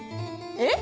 えっ？